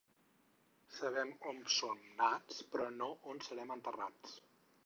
Sabem on som nats, però no on serem enterrats.